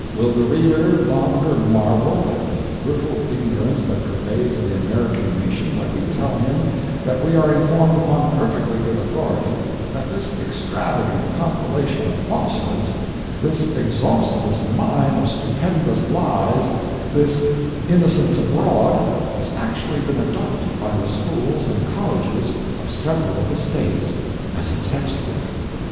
Will the reader longer marvel at the brutal ignorance that pervades the American nation when we tell him that we are informed upon perfectly good authority that this extravagant compilation of falsehoods, this exhaustless mine of stupendous lies, this Innocents Abroad, has actually been adopted by the schools and colleges of several of the states as a text book!